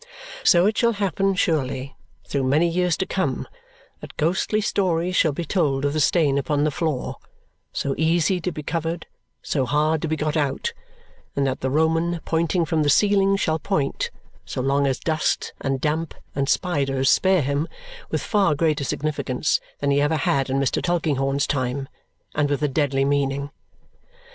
So it shall happen surely, through many years to come, that ghostly stories shall be told of the stain upon the floor, so easy to be covered, so hard to be got out, and that the Roman, pointing from the ceiling shall point, so long as dust and damp and spiders spare him, with far greater significance than he ever had in Mr. Tulkinghorn's time, and with a deadly meaning.